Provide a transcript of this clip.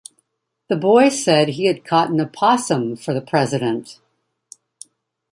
The boy said he had caught an opossum for the President.